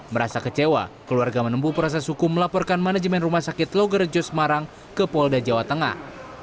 merasa kecewa keluarga menempuh proses hukum melaporkan manajemen rumah sakit logerejo semarang ke polda jawa tengah